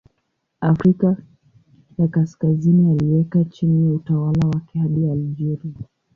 Afrika ya Kaskazini aliweka chini ya utawala wake hadi Algeria.